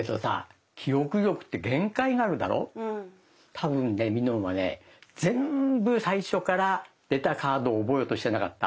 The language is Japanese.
多分ねみのんはね全部最初から出たカードを覚えようとしてなかった？